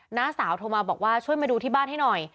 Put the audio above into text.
น้าสาวโทรมาบอกว่าช่วยมาดูที่บ้านให้หน่อย